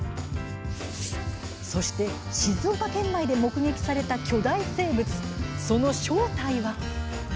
そして、静岡県内で目撃された巨大生物、その正体は？